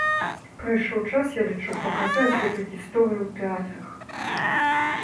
Прыйшоў час, я лічу, паказаць гэтую гісторыю ў тэатрах!